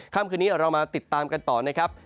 ค่ำคืนนี้เรามาติดตามกันต่อนะครับ